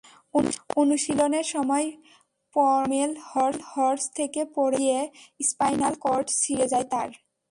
অনুশীলনের সময় pommel horse থেকে পড়ে গিয়ে স্পাইনাল কর্ড ছিঁড়ে যায় তাঁর।